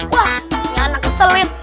wah ini anak keselin